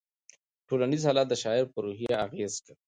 ټولنیز حالات د شاعر په روحیه اغېز کوي.